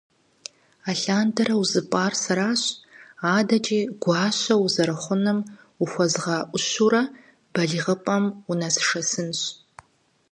Алъандэрэ узыпӀар сэращ, адэкӀи гуащэ узэрыхъуным ухуэзгъэӀущурэ балигъыпӀэм унэсшэсынщ.